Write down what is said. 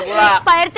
eh bu rt paranti